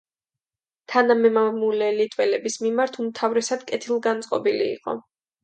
თანამემამულე ლიტველების მიმართ უმთავრესად კეთილგანწყობილი იყო.